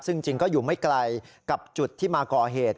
ซึ่งจริงก็อยู่ไม่ไกลกับจุดที่มาก่อเหตุ